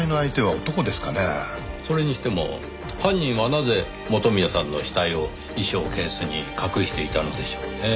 それにしても犯人はなぜ元宮さんの死体を衣装ケースに隠していたのでしょうねぇ。